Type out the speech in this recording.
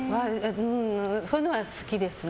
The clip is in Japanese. そういうのは好きですね。